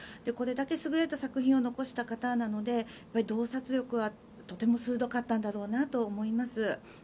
これだけ優れた作品を残した方なので洞察力はとても鋭かったんだろうなと思います。